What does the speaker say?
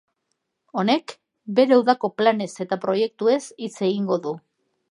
Honek bere udako planez eta proiektuez hitz egingo du.